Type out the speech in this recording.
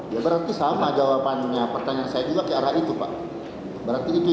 ya berarti sama jawabannya pertanyaan saya juga ke arah itu pak berarti itu